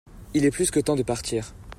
il est plus que temps de partir.